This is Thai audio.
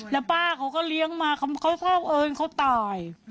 และป้าเขาก็เลี้ยงมาเองเขาเสิ่มเอิญเขาตาย